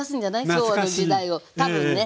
昭和の時代を多分ね。